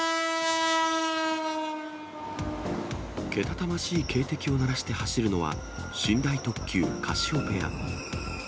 けたたましい警笛を鳴らして走るのは、寝台特急カシオペア。